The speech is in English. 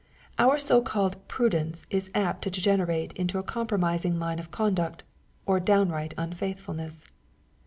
Our so called prudence is apt to degene rate into a compromising line of conduct, or downright unfaithfulness.